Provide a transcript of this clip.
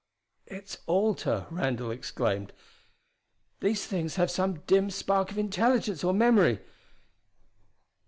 "Its altar!" Randall exclaimed. "These things have some dim spark of intelligence or memory!